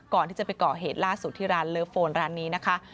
ก่อนที่จะไปก่อเหตุล่าสุดที่ร้านเลิฟโฟนร้านนี้นะคะ